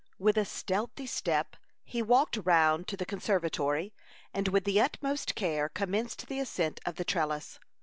With a stealthy step he walked round to the conservatory, and with the utmost care commenced the ascent of the trellis.